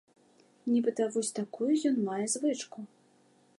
Нібыта, вось такую ён мае звычку!